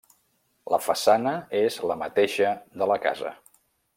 La façana és la mateixa de la casa.